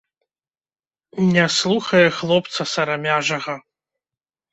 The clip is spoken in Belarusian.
Не слухае хлопца сарамяжага.